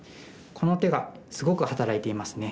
この手がすごく働いていますね。